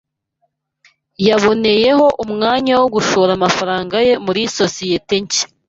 Yaboneyeho umwanya wo gushora amafaranga ye muri sosiyete nshya.